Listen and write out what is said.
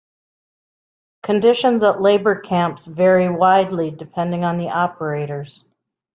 Conditions at labor camps vary widely depending on the operators.